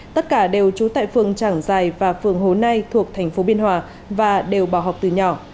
tất cả đều trú tại phường trảng giài và phường hồ nai thuộc thành phố biên hòa và đều bỏ học từ nhỏ